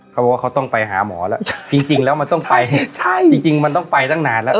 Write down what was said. เขาบอกว่าเขาต้องไปหาหมอแล้วจริงแล้วมันต้องไปใช่จริงมันต้องไปตั้งนานแล้ว